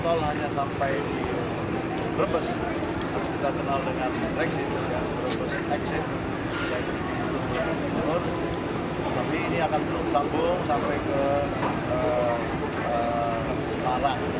tapi ini akan belum sambung sampai ke sekarang